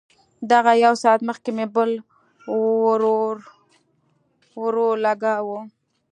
دغه يو ساعت مخکې مې بل ورولګاوه.